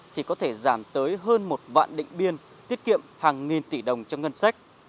thì có thể giảm tới hơn một vạn định biên tiết kiệm hàng nghìn tỷ đồng cho ngân sách